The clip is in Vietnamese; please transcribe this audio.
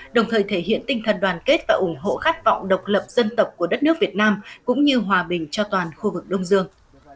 đồng thời thể hiện tinh thần đoàn kết và ủng hộ khát vọng độc lập dân tộc của đất nước việt nam cũng như hòa bình cho toàn khu vực đông dương